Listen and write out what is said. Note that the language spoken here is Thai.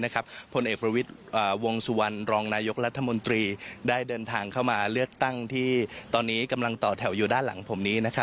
ก็ได้เดินทางเข้ามาเลือกตั้งที่ตอนนี้กำลังต่อแถวอยู่ด้านหลังผมนี้